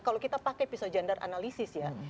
kalau kita pakai pisau gender analisis ya